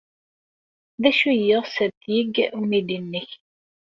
D acu ay yeɣs ad t-yeg umidi-nnek?